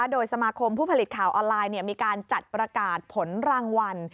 โดยสมาคมผู้ผลิตข่าวออนไลน์มีการจัดประกาศผลรางวัล